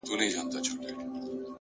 ما د وحشت په زمانه کي زندگې کړې ده ـ